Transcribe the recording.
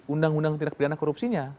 undang undang tindak pidana korupsinya